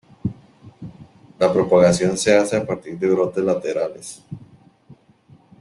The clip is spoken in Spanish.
La propagación se hace a partir de brotes laterales.